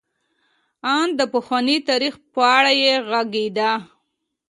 ان د پخواني تاریخ په اړه یې غږېده.